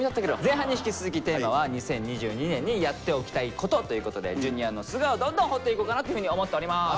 前半に引き続きテーマは「２０２２年にやっておきたいこと」ということでＪｒ．の素顔どんどん掘っていこうかなというふうに思っております。